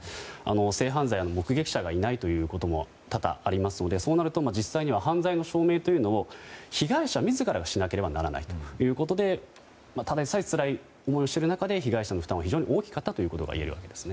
性犯罪は目撃者がいないということも多々ありますのでそうなると実際には犯罪の証明というのを被害者自らがしなければならないということでただでさえつらい思いをしている中で被害者の負担が大きかったということがいえるわけですね。